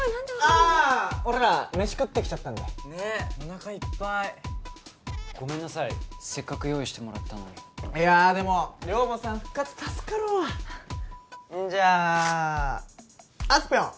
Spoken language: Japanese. あー俺ら飯食ってきちゃったんでねっお腹いっぱいごめんなさいせっかく用意してもらったのにいやーでも寮母さん復活助かるわんじゃああすぴょん！